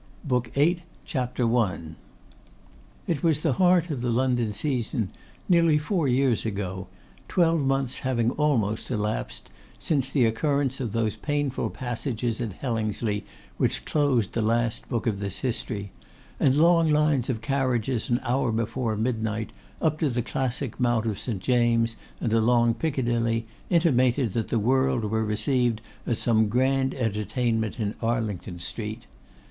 BOOK VIII. CHAPTER I. It was the heart of the London season, nearly four years ago, twelve months having almost elapsed since the occurrence of those painful passages at Hellingsley which closed the last book of this history, and long lines of carriages an hour before midnight, up the classic mount of St. James and along Piccadilly, intimated that the world were received at some grand entertainment in Arlington Street.